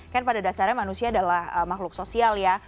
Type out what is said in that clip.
kan pada dasarnya manusia adalah makhluk sosial ya